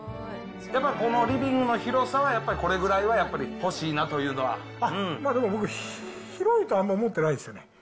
やっぱりこのリビングの広さは、やっぱりこれぐらいはやっぱでも僕、広いとあんまり思ってないですね。